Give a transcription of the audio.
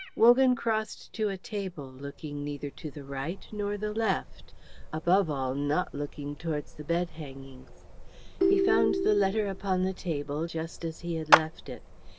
Wogan crossed to a table, looking neither to the right nor the left, above all not looking towards the bed hangings. He found the letter upon the table just as he had left it.